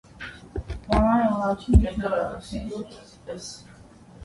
Վանայ առաջին միջնակարգն է։